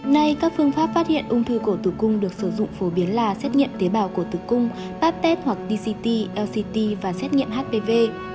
nay các phương pháp phát hiện ung thư cổ tử cung được sử dụng phổ biến là xét nghiệm tế bào cổ tử cung patét hoặc dct lct và xét nghiệm hpv